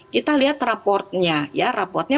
kita lihat raportnya